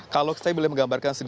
kalau saya boleh menggambarkan